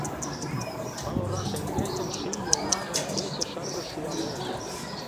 Пыл ора шеҥгечын Ший йоллажым кече Шыргыж шуялеш.